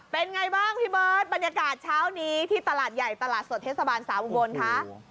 เป็นไงบ้างพี่เบิร์ตบรรยากาศเช้านี้ที่ตลาดใหญ่ตลาดสดเทศบาลสาวอุบลคะ